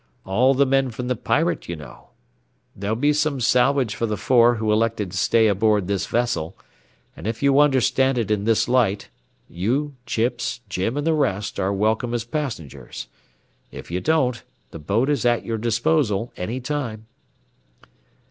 All the men from the Pirate, you know. There'll be some salvage for the four who elected to stay aboard this vessel, and if you understand it in this light, you, Chips, Jim, and the rest are welcome as passengers. If you don't, the boat is at your disposal any time."